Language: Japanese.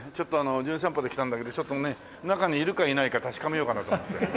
『じゅん散歩』で来たんだけどちょっとね中にイルカいないか確かめようかなと思って。